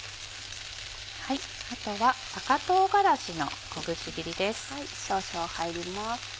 あとは赤唐辛子の小口切りです。